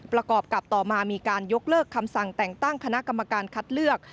ประกอบกับต่อมามีการยกเลิกคำสั่งแต่งตั้งคณะกรรมการคัดเลือก